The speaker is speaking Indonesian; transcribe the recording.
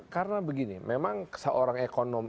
karena begini memang seorang ekonom